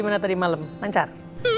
gimana tadi malem lancar